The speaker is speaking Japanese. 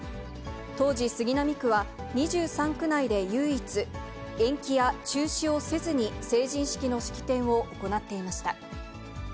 当時、杉並区は２３区内で唯一、延期や中止をせずに成人式の式典を行っていました。